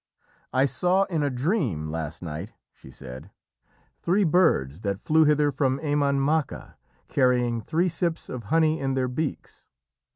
"I saw in a dream last night," she said, "three birds that flew hither from Emain Macha, carrying three sips of honey in their beaks.